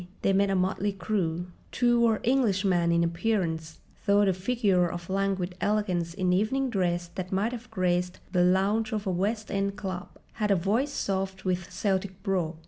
They made a motley crew. Two were Englishman in appearance, though the figure of languid elegance in evening dress that might have graced the lounge of a West End club had a voice soft with Celtic brogue.